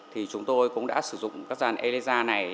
thì chúng tôi cũng đã sử dụng các gian elisa này